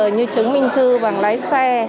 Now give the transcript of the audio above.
như chứng minh thư bằng lái xe